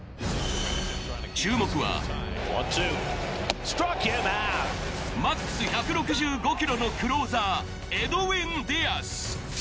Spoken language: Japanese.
注目はマックス１６５キロのクローザーエドウィン・ディアス。